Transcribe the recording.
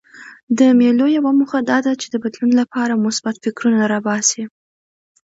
د مېلو یوه موخه دا ده، چي د بدلون له پاره مثبت فکرونه راباسي.